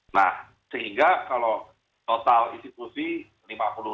nah sehingga kalau total institusi lima puluh